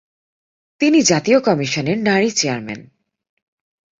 তিনি জাতীয় কমিশনের নারী চেয়ারম্যান।